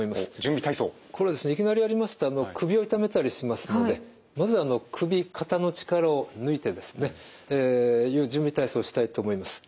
これいきなりやりますと首を痛めたりしますのでまず首肩の力を抜いてですねえ準備体操したいと思います。